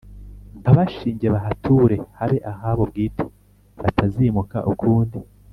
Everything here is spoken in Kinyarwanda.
mpabashinge bahature, habe ahabo bwite batazimuka ukundi.